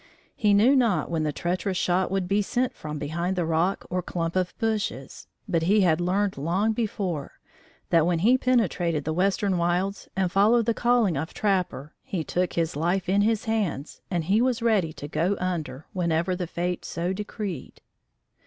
He knew not when the treacherous shot would be sent from behind the rock or clump of bushes, but he had learned long before, that, when he penetrated the western wilds and followed the calling of trapper, he took his life in his hands and he was ready to "go under," whenever the fate so decreed.